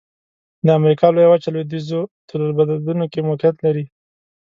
د امریکا لویه وچه لویدیځو طول البلدونو کې موقعیت لري.